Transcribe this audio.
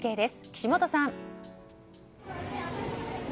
岸本さん。